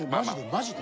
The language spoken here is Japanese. マジで？